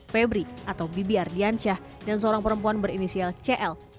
febri atau bibi ardiansyah dan seorang perempuan berinisial cl